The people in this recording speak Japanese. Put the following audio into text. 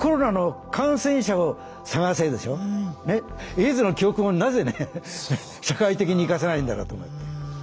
エイズの教訓をなぜね社会的に生かせないんだろうと思って。